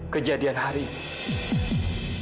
kejadian hari ini